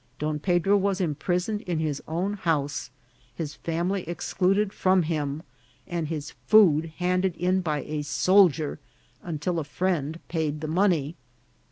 Don Pedro was imprisoned in his own house, his family excluded from him, and his food handed in by a soldier, until a friend paid the money.